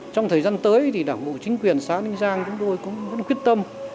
trong thời gian tới thì đảng bộ chính quyền xã ninh giang chúng tôi cũng rất quyết tâm